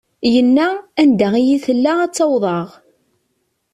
Yenna: Anda i iyi-tella ad tt-awḍeɣ.